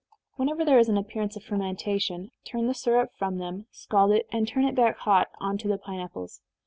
Whenever there is any appearance of fermentation, turn the syrup from them, scald it, and turn it back hot on to the pine apples.